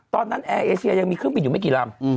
แอร์เอเชียยังมีเครื่องบินอยู่ไม่กี่ลำ